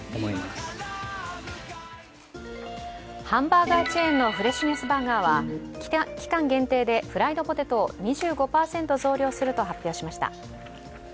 ハンバーガーチェーンのフレッシュネスバーガーは期間限定でフライドポテトを２５％増量すると発表しました。